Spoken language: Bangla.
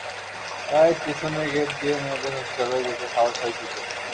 গায়েস, পিছনের গেট দিয়ে মেয়েদের হোস্টেলে যেতে সাহস হয় কী করে?